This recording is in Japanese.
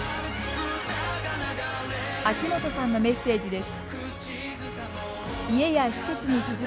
秋元さんのメッセージです。